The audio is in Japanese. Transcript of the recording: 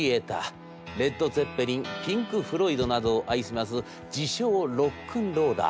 レッド・ツェッペリンピンク・フロイドなどを愛します自称ロックンローラー。